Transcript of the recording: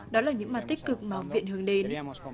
đó là những mặt tích cực mà học viện hướng đến